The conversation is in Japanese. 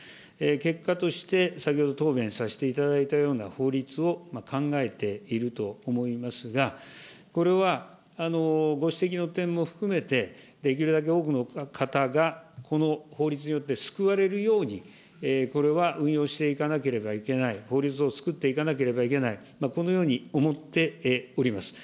結果として、先ほど答弁させていただいたような法律を考えていると思いますが、これは、ご指摘の点も含めて、できるだけ多くの方がこの法律によって救われるように、これは運用していかなければいけない、法律を作っていかなければいけない、このように思っております。